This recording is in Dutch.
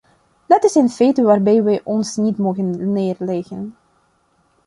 Dat is een feit waarbij wij ons niet mogen neerleggen.